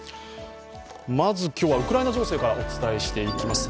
まず今日はウクライナ情勢からお伝えしてまいります。